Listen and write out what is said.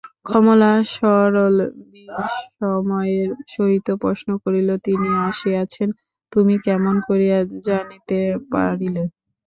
কমলা সরল বিসময়ের সহিত প্রশ্ন করিল, তিনি আসিয়াছেন তুমি কেমন করিয়া জানিতে পারিলে?